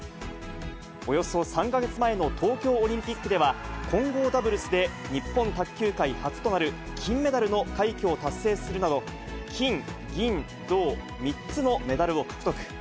およそ３か月前の東京オリンピックでは、混合ダブルスで日本卓球界初となる、金メダルの快挙を達成するなど、金銀銅３つのメダルを獲得。